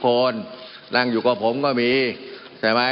มันมีมาต่อเนื่องมีเหตุการณ์ที่ไม่เคยเกิดขึ้น